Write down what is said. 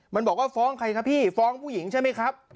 มันบอกว่าฟ้องใครครับพี่ฟ้องผู้หญิงใช่ไหมครับ